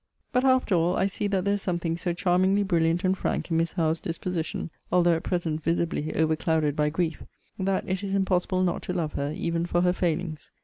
But after all, I see that there is something so charmingly brilliant and frank in Miss Howe's disposition, although at present visibly overclouded by grief, that it is impossible not to love her, even for her failings.